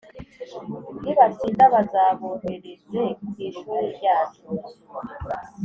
nibatsinda bazabohereze ku ishuri ryacu.